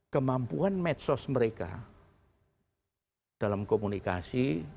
kemampuan medsos mereka dalam komunikasi